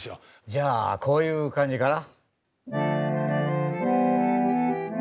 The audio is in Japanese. じゃあこういう感じかな？